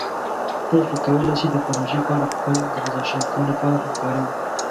تاسو کولی شئ د پروژې په اړه د خپل نظر شریکولو لپاره همکاري وکړئ.